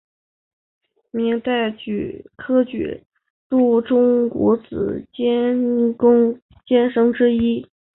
明代科举制度中国子监贡监生之一。